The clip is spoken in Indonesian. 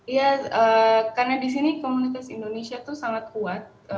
iya karena di sini komunitas indonesia itu sangat kuat